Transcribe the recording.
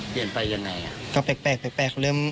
เห็นไปอย่างไร